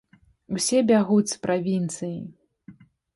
Усе бягуць з правінцыі!